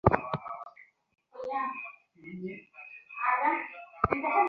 অন্য যে-কোন জ্ঞান কিছু সময়ের জন্য মাত্র আমাদের অভাব মিটাইতে পারে।